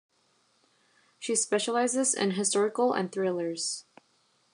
She specializes in historical and thrillers.